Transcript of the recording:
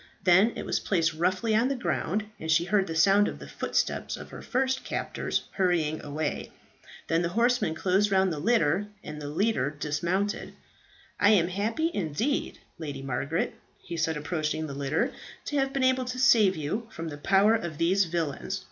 Then it was placed roughly on the ground, and she heard the sound of the footsteps of her first captors hurrying away. Then the horsemen closed round the litter, and the leader dismounted. "I am happy indeed, Lady Margaret," he said approaching the litter, "to have been able to save you from the power of these villains.